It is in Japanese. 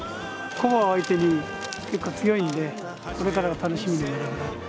古馬を相手に結構、強いんでこれからが楽しみな馬だから。